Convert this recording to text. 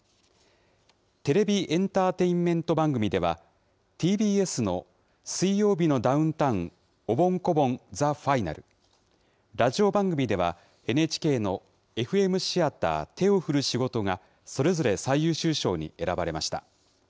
テレビエンターテインメント番組では、ＴＢＳの水曜日のダウンタウンおぼん・こぼんＴＨＥＦＩＮＡＬ、ラジオ番組では、ＮＨＫのＦＭシアター手を振る仕事が、それぞれ最優秀賞に選ばれました。